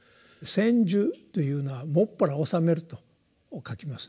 「専修」というのは「専ら」「修める」と書きますね。